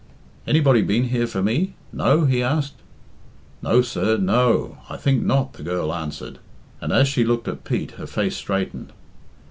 "Anybody been here for me? No?" he asked. "No, sir, n o, I think not," the girl answered, and as she looked at Pete her face straightened.